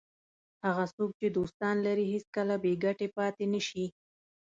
هغه څوک چې دوستان لري هېڅکله بې ګټې پاتې نه شي.